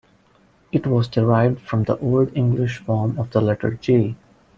It was derived from the Old English form of the letter "g".